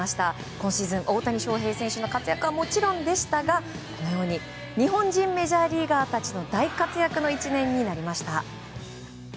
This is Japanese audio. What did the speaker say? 今シーズン、大谷翔平選手の活躍はもちろんでしたが日本人メジャーリーガーたちも大活躍の１年になりました。